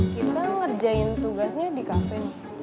kita ngerjain tugasnya di kafe